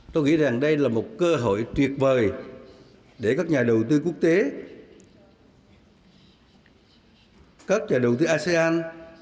tôi nghĩ rằng đây là một cơ hội tuyệt vời để các nhà đầu tư quốc tế các nhà đầu tư asean